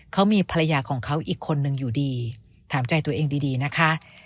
เขามีภรรยาของเขาอีกคนนึงอยู่ดีถามใจตัวเองดีนะคะ